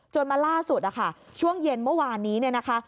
มาล่าสุดนะคะช่วงเย็นเมื่อวานนี้เนี่ยนะคะ